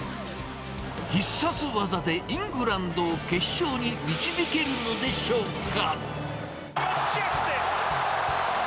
必殺技でイングランドを決勝に導けるのでしょうか。